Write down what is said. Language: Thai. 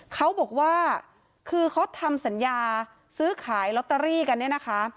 เขาบอกว่าคือเขาทำสัญญาซื้อขายลอตเตอรี่กันเนี่ยนะคะ